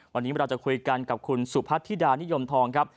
วันนี้เราจะคุยกันกับคุณสุพัทธิดานิยมทองครับ